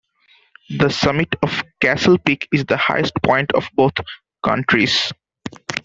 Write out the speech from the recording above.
The summit of Castle Peak is the highest point of both counties.